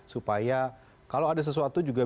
supaya kalau ada sesuatu bisa terdeteksi